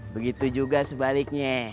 begitu juga sebaliknya